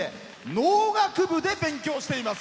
農学部で勉強しています。